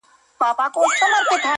د کم بخته، غول بې وخته.